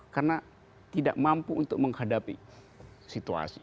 karena tidak mampu untuk menghadapi situasi